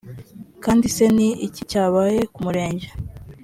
kandi se ni iki cyabaye ku murenge